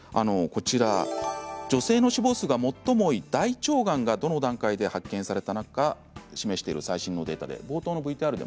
女性の死亡数が最も多い大腸がんがどの段階で発見されたのか示している最新のデータです。